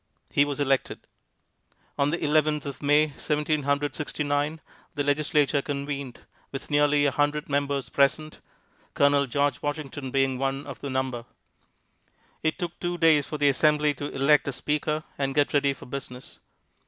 He was elected. On the Eleventh of May, Seventeen Hundred Sixty nine, the Legislature convened, with nearly a hundred members present, Colonel George Washington being one of the number. It took two days for the Assembly to elect a Speaker and get ready for business.